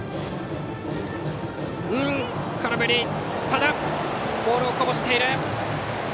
ただボールをこぼしている。